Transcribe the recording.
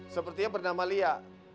sepertinya bernama lia